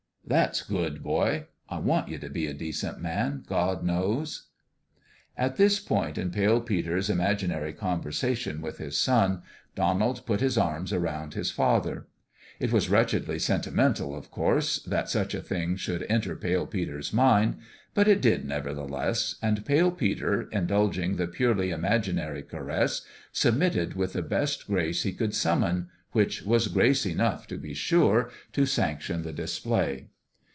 " That's good, boy ! I want you to be a decent man, God knows !" At this point in Pale Peter's imaginary conver sation with his son, Donald put his arms around his father. It was wretchedly sentimental, of 286 FATHER AND SON course, that such a thing should enter Pale Peter's mind ; but it did, nevertheless, and Pale Peter, indulging the purely imaginary caress, submitted with the best grace he could summon, which was grace enough, to be sure, to sanction the display.